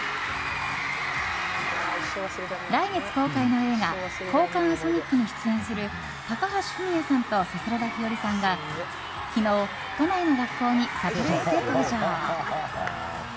来月公開の映画「交換ウソ日記」に出演する高橋文哉さんと桜田ひよりさんが昨日、都内の学校にサプライズで登場！